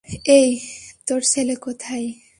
এই, তোর ছেলে কোথায়?